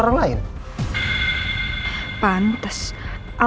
buat nanyain kabar tante rosa